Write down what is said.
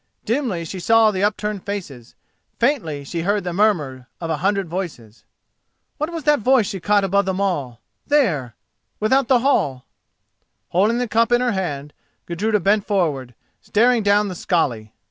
Dimly she saw the upturned faces, faintly she heard the murmur of a hundred voices. What was that voice she caught above them all—there—without the hall? Holding the cup in her hand, Gudruda bent forward, staring down the skali.